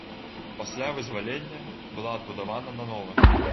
Пасля вызвалення была адбудавана нанова.